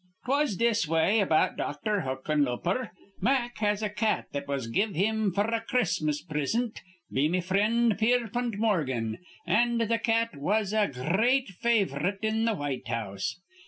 "'Twas this way about Dr. Huckenlooper. Mack has a cat that was give him f'r a Chris'mas prisint be me frind Pierpont Morgan, an' th' cat was a gr reat favor ite in th' White House.